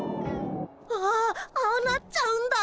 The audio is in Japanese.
ああああなっちゃうんだ。